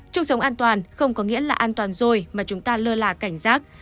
chung sống an toàn không có nghĩa là an toàn rồi mà chúng ta lơ là cảnh giác